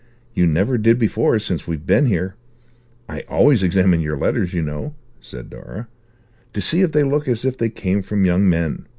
You never did before since we've been here. I always examine your letters, you know," said Dora, "to see if they look as if they came from young men.